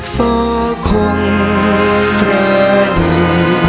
ฟ้าคงแปลดีดีอยู่